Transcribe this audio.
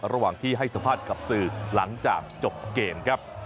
ระหว่างที่ให้สัมภาษณ์กับสื่อหลังจากจบเกมครับ